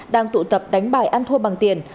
đang tụ tập đánh bài an thua bằng tiền